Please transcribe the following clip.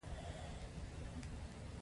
ککړه هوا د تنفسي ناروغیو او سالنډۍ لامل کیږي